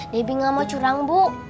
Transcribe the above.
debbing gak mau curang bu